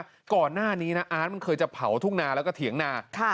ก่อนหน้านี้นะอาร์ตมันเคยจะเผาทุ่งนาแล้วก็เถียงนา